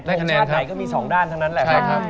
ทรงชาติไหนก็มี๒ด้านทั้งนั้นแหละครับ